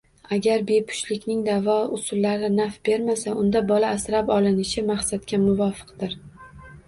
Agar bepushtlikning davo usullari naf bermasa, unda bola asrab olinishi maqsadga muvofiqdir.